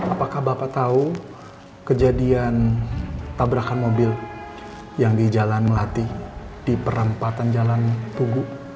apakah bapak tau kejadian tabrakan mobil di percobaan silster tuh